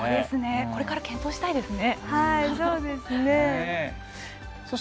これから検討したいですね。